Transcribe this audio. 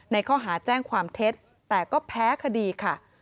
ในข้อหาแจ้งความเท็จแต่ก็แพ้คดีค่ะ